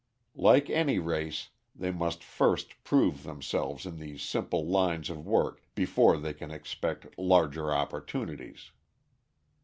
Like any race, they must first prove themselves in these simple lines of work before they can expect larger opportunities.